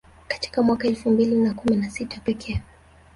Katika mwaka elfu mbili na kumi na sita pekee